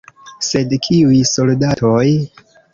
Sed kiuj soldatoj?